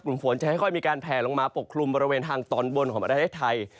ฝนจะค่อยมีการแผลลงมาปกคลุมบริเวณทางตอนบนของประเทศไทย